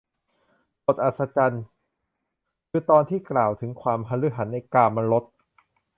บทอัศจรรย์ คือตอนที่กล่าวถึงความหฤหรรษ์ในกามรส